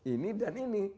ini dan ini